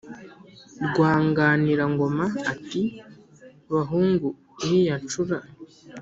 rwanganirangoma, ati "bahungu iriya ncura,